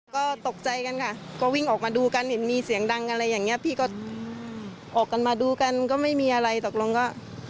ก็ตกใจกันค่ะก็วิ่งออกมาดูกันเห็นมีเสียงดังอะไรอย่างนี้พี่ก็ออกกันมาดูกันก็ไม่มีอะไรตกลงก็